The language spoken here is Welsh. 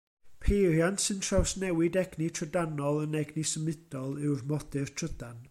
Peiriant sy'n trawsnewid egni trydanol yn egni symudol yw'r modur trydan.